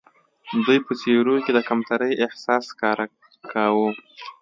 دوی په څېرو کې د کمترۍ احساس ښکاره کاوه.